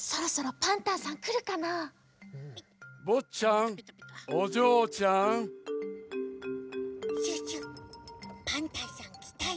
パンタンさんきたよ。